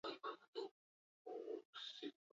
Dirusariaz gain, irabazle guztiek garaikur bat jaso dute.